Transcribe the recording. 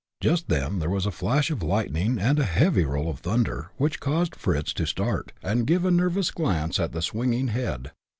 Just then there was a flash of lightning and a heavy roll of thunder, which caused Fritz to start, and give a nervous glance at the swinging head.